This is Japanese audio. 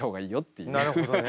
なるほどね。